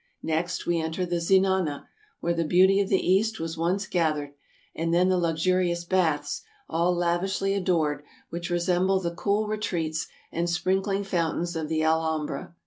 Next we enter the zenana, where the beauty of the East was once gathered, and then the luxurious baths, all lavishly adorned, which resemble the cool retreats and sprinkling fountains of the Alhambra.